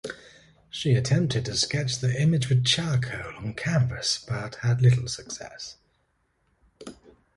She attempted to sketch the image with charcoal on canvas, but had little success.